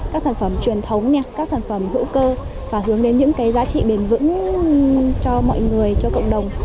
các sản phẩm truyền thống các sản phẩm hữu cơ và hướng đến những cái giá trị bền vững cho mọi người cho cộng đồng